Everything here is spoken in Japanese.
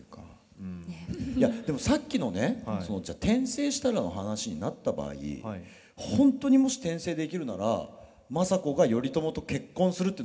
いやでもさっきのね転生したらの話になった場合本当にもし転生できるなら政子が頼朝と結婚するっていうのを必死に止めに行きますよ。